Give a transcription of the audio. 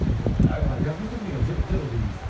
だから役作りがゼロでいいんです。